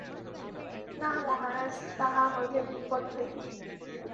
না মহারাজ, তাহা হইলে বিপদ হইবে।